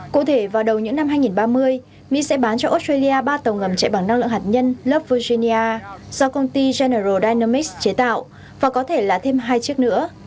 cụ thể vào đầu những năm hai nghìn ba mươi mỹ sẽ bán cho australia ba tàu ngầm chạy bằng năng lượng hạt nhân lov virginia do công ty general dynamics chế tạo và có thể là thêm hai chiếc nữa